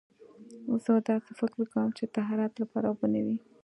زه داسې فکر کوم چې طهارت لپاره اوبه نه وي.